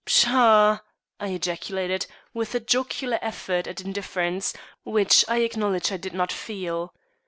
"Pshaw!" I ejaculated, with a jocular effort at indifference, which I acknowledge I did not feel.